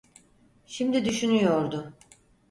Şimdi düşünüyordu.